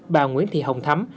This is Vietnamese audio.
bà nguyễn thị hồng thắm